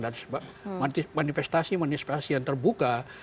dan manifestasi manifestasi yang terbuka